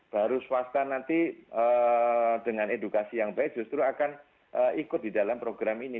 baru swasta nanti dengan edukasi yang baik justru akan ikut di dalam program ini